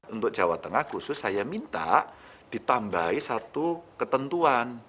untuk jawa tengah khusus saya minta ditambahi satu ketentuan